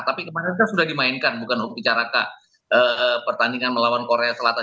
tapi kemarin kan sudah dimainkan bukan untuk bicara pertandingan melawan korea selatan